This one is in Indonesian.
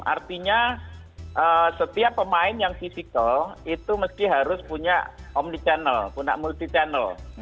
artinya setiap pemain yang fisikal itu mesti harus punya omni channel punya multi channel